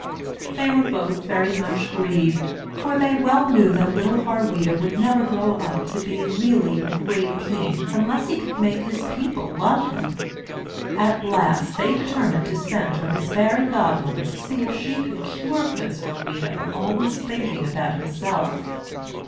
They were both very much grieved, for they well knew that little Harweda would never grow up to be really a great king unless he could make his people love him. At last they determined to send for his fairy godmother to see if she could cure Prince Harweda of always thinking about himself.